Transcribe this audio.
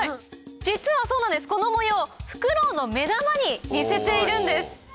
実はそうなんですこの模様フクロウの目玉に似せているんです。